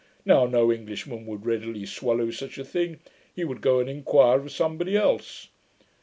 Now, no Englishman would readily swallow such a thing: he would go and inquire of somebody else.'